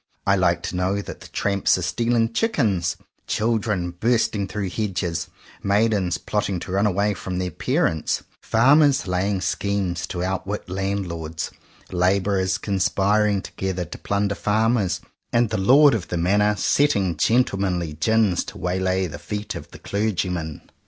I like to know that tramps are stealing chickens, children bursting through hedges, maidens plotting to run away from their parents, farmers laying schemes to outwit landlords, labourers conspiring together to plunder farmers, and the Lord of the Manor setting gentlemanly gins to waylay the feet of the clergyman.